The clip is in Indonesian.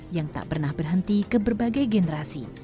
yang tak pernah berhenti ke berbagai generasi